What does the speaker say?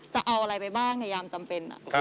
จะเอาอะไรไปบ้างจำเป็นน่ะ